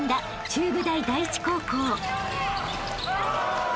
中部大第一高校］